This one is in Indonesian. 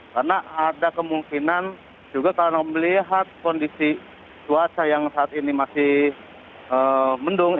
karena ada kemungkinan juga kalau melihat kondisi cuaca yang saat ini masih mendung